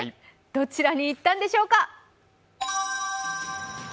どちらに行ったんでしょうか？